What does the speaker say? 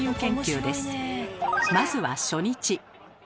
まずは初日。